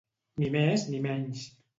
Ni més ni menys.